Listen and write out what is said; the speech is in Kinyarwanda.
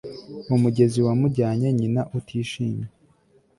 umugezi wamujyanye ... nyina utishimye